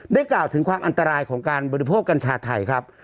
กล่าวถึงความอันตรายของการบริโภคกัญชาไทยครับ